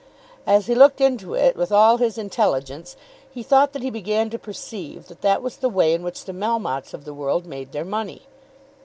As he looked into it with all his intelligence he thought that he began to perceive that that was the way in which the Melmottes of the world made their money.